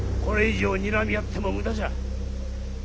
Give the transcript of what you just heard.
これ以上にらみ合っても無駄じゃ。